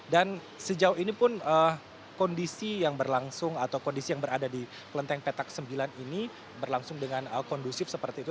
dan sejauh ini pun kondisi yang berlangsung atau kondisi yang berada di klenteng petak sembilan ini berlangsung dengan kondusif seperti itu